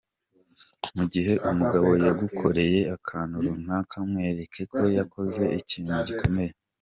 Mu gihe umugabo yagukoreye akantu runaka mwereke ko yakoze ikintu gikomeye.